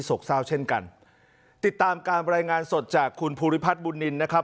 กเศร้าเช่นกันติดตามการรายงานสดจากคุณภูริพัฒน์บุญนินนะครับ